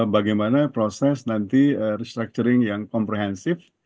bagaimana proses nanti restructuring yang komprehensif